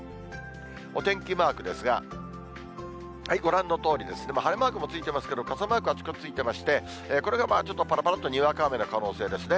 お天気マークですが、ご覧のとおりですね、晴れマークもついていますけど、傘マークがあちこちついてまして、これがちょっと、ぱらぱらっとにわか雨の可能性ですね。